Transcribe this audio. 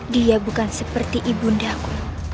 dia bukan seperti ibundaku